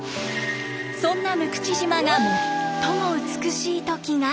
そんな六口島が最も美しい時が。